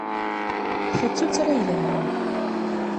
Ta d tuttra yelhan.